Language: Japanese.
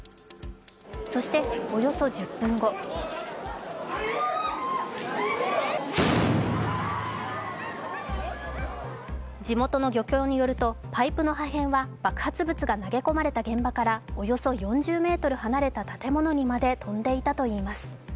そして、およそ１０分後地元の漁協によると、パイプの破片は爆発物が投げ込まれた現場からおよそ４０ｍ離れた建物まで飛んでいたといいます。